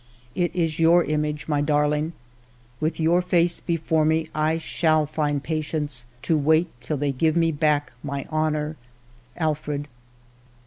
It is your image, my darling. With' your face before me, I shall find patience to wait till they give me back my honor. Alfred.'